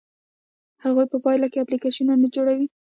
هغوی په پایله کې اپلیکیشنونه جوړوي.